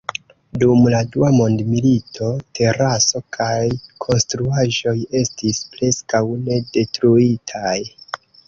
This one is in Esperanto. Dum la Dua Mondmilito, teraso kaj konstruaĵoj estis preskaŭ ne detruitaj.